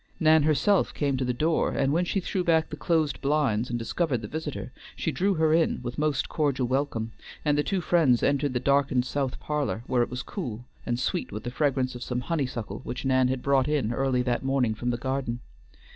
Nan herself came to the door, and when she threw back the closed blinds and discovered the visitor, she drew her in with most cordial welcome, and the two friends entered the darkened south parlor, where it was cool, and sweet with the fragrance of some honeysuckle which Nan had brought in early that morning from the garden.